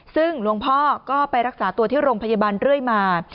ซึ่งหลวงพ่อก็ไปรักษาตัวที่โรงพยาบาลเรื่อยมา